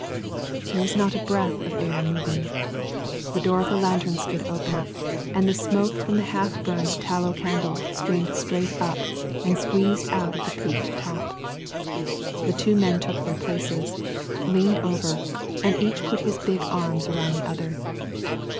There was not a breath of air moving. The door of the lantern stood open, and the smoke from the half burned tallow candle streamed straight up and squeezed out at the peaked top. The two men took their places, leaned over, and each put his big arms around the other.